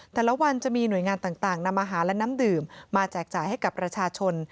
แต่ละวันจะมีหน่วยงานต่างนำอาหารและน้ำดื่มมาแจกจ่ายให้กับประชาชน